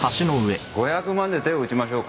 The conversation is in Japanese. ５００万で手を打ちましょうか。